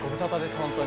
本当に。